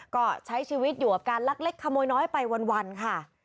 ก็ใช้ชีวิตอยู่กับการลักเล็กขโมยน้อยไปวันค่ะ